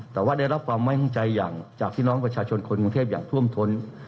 แต่ว่าได้รับความไว้ข้างใจอย่างจากพี่น้องประชาชนคนกรุงเทพอย่างท่วมท้น